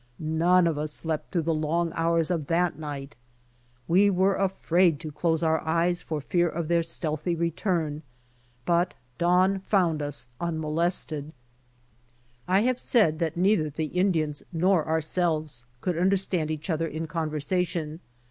None of us slept through the long hours of that night. We were afraid to close our eyes for fear of their stealthy return, but dawn found us unmolested. I have said that neither the Indians nor ourselves could understand each other in conversation.